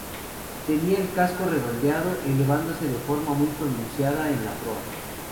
Tenía el casco redondeado, elevándose de forma muy pronunciada en la proa.